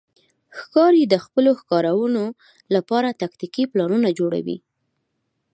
ښکاري د خپلو ښکارونو لپاره تاکتیکي پلانونه جوړوي.